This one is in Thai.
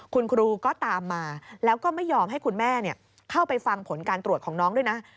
คุณครูก็ตามมาแล้วก็ไม่ยอมให้คุณแม่เข้าไปฟังผลการตรวจของน้องด้วยนะ